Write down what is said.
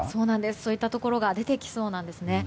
そういったところが出てきそうなんですね。